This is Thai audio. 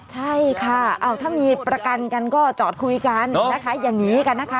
ใช่ค่ะถ้ามีประกันกันก็จอดคุยกันนะคะอย่างนี้กันนะคะ